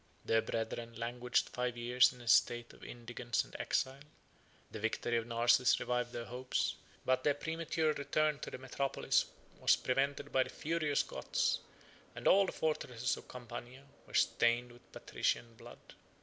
Their brethren languished five years in a state of indigence and exile: the victory of Narses revived their hopes; but their premature return to the metropolis was prevented by the furious Goths; and all the fortresses of Campania were stained with patrician 40 blood.